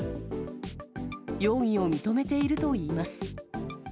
容疑を認めているといいます。